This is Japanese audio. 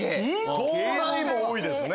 東大も多いですね。